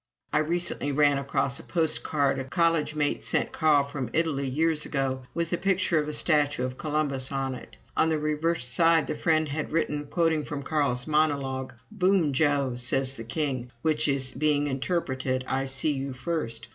I recently ran across a postcard a college mate sent Carl from Italy years ago, with a picture of a statue of Columbus on it. On the reverse side the friend had written, quoting from Carl's monologue: "'Boom Joe!' says the king; which is being interpreted, 'I see you first.'